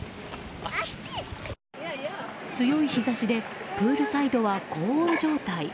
強い日差しでプールサイドは高温状態。